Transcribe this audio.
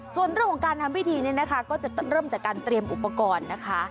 ส่วนเรื่องของการทำพิธีเนี่ยนะคะก็จะเริ่มจากการเตรียมอุปกรณ์นะคะ